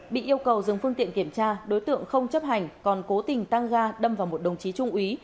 bị yêu cầu dừng phương tiện kiểm tra đối tượng không chấp hành còn cố tình tăng ga đâm vào một đồng chí trung úy